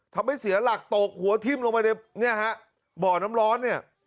ทำให้เสียหลักตกหัวทิ้มลงไปในเนี่ยฮะบ่อน้ำร้อนเนี่ย